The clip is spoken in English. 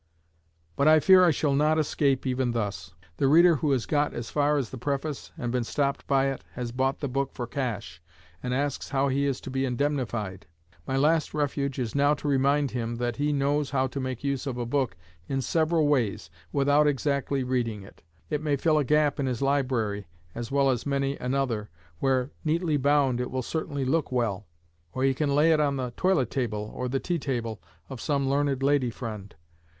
But I fear I shall not escape even thus. The reader who has got as far as the preface and been stopped by it, has bought the book for cash, and asks how he is to be indemnified. My last refuge is now to remind him that he knows how to make use of a book in several ways, without exactly reading it. It may fill a gap in his library as well as many another, where, neatly bound, it will certainly look well. Or he can lay it on the toilet table or the tea table of some learned lady friend.